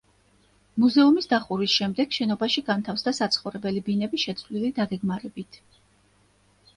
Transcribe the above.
მუზეუმის დახურვის შემდეგ შენობაში განთავსდა საცხოვრებელი ბინები შეცვლილი დაგეგმარებით.